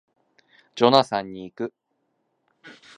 ジョナサンに行く